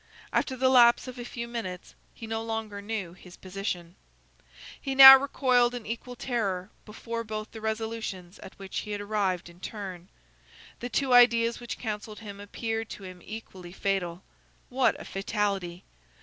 After the lapse of a few minutes he no longer knew his position. He now recoiled in equal terror before both the resolutions at which he had arrived in turn. The two ideas which counselled him appeared to him equally fatal. What a fatality!